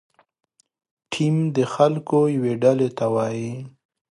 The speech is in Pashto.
ټیم د خلکو یوې ډلې ته وایي.